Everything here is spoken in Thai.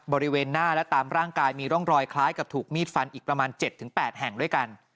บริเวณหน้าและตามร่างกายมีร่องรอยคล้ายกับถูกมีดฟันอีกประมาณ๗๘แห่งด้วยกัน